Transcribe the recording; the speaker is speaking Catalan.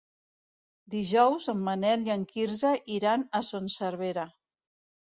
Dijous en Manel i en Quirze iran a Son Servera.